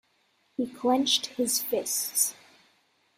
He clenched his fists.